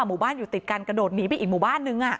หมู่บ้านอยู่ติดกันกระโดดหนีไปอีกหมู่บ้านนึง